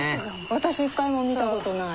私一回も見た事ない。